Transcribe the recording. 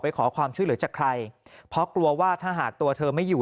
ขอความช่วยเหลือจากใครเพราะกลัวว่าถ้าหากตัวเธอไม่อยู่